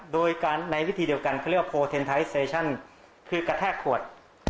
โดยการในวิธีเดียวกันเขาเรียกว่าคือกระแทกขวด